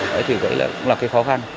đấy thì cũng là cái khó khăn